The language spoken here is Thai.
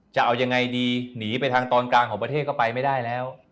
จะเอายังไงดีหนีไปทางตอนกลางของประเทศก็ไปไม่ได้แล้ว